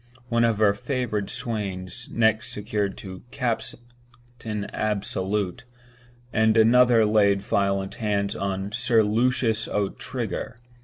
One of her favored swains next secured "Captain Absolute," and another laid violent hands on "Sir Lucius O'Trigger."